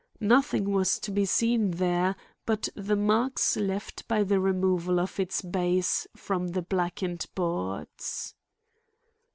Nothing was to be seen there but the marks left by the removal of its base from the blackened boards.